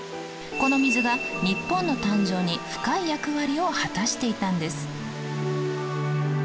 この水が日本の誕生に深い役割を果たしていたんです。